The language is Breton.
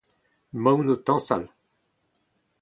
Emaon o tañsal.